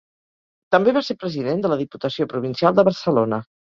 També va ser president de la diputació provincial de Barcelona.